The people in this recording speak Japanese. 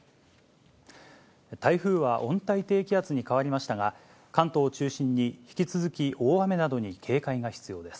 台風は温帯低気圧に変わりましたが、関東を中心に、引き続き大雨などに警戒が必要です。